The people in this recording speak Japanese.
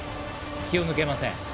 気を抜けません。